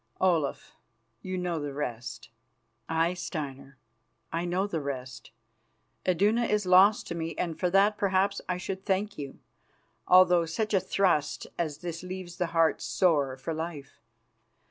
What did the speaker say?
Olaf, you know the rest." "Aye, Steinar, I know the rest. Iduna is lost to me, and for that perhaps I should thank you, although such a thrust as this leaves the heart sore for life.